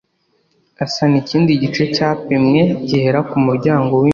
asana ikindi gice cyapimwe gihera ku muryango w inzu